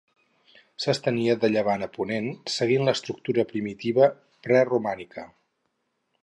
S'estenia de llevant a ponent seguint l'estructura primitiva preromànica.